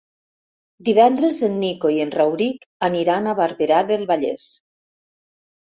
Divendres en Nico i en Rauric aniran a Barberà del Vallès.